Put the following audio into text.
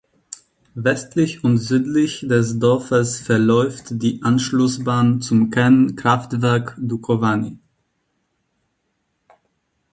Westlich und südlich des Dorfes verläuft die Anschlussbahn zum Kernkraftwerk Dukovany.